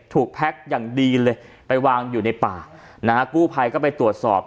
แพ็คอย่างดีเลยไปวางอยู่ในป่านะฮะกู้ภัยก็ไปตรวจสอบ